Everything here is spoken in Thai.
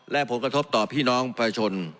และผลกระทบต่อพี่น้องประชาชน